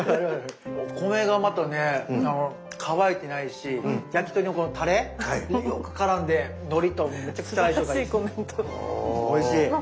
お米がまたね乾いてないし焼き鳥のこのたれによくからんでのりとめちゃくちゃ相性がいいです。